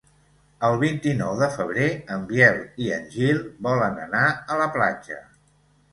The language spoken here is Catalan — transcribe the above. El vint-i-nou de febrer en Biel i en Gil volen anar a la platja.